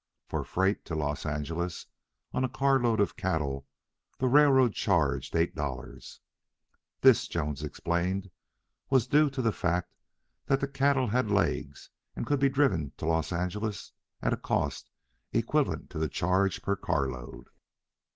For freight to Los Angeles on a carload of cattle the railroad charged eight dollars. This, Jones explained, was due to the fact that the cattle had legs and could be driven to Los Angeles at a cost equivalent to the charge per car load.